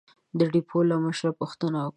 د ډېپو له مشره پوښتنه وکړئ!